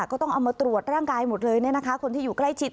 ก็ต้องเอามาตรวจร่างกายหมดเลยคนที่อยู่ใกล้ชิด